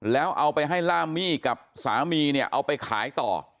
แล้วเอาไปให้ล่ามี่กับสามีเนี่ยเอาไปขายต่อ